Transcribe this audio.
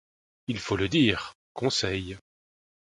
Il faut le dire, Conseil.